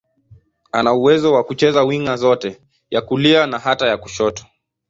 Ana uwezo wa kucheza winga zote, ya kulia na hata ya kushoto.